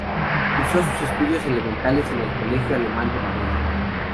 Cursó sus estudios elementales en el Colegio Alemán de Madrid.